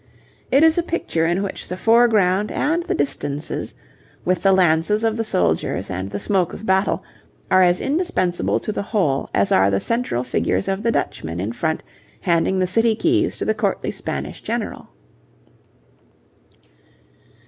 It is a picture in which the foreground and the distances, with the lances of the soldiers and the smoke of battle, are as indispensable to the whole as are the central figures of the Dutchman in front handing the city keys to the courtly Spanish general.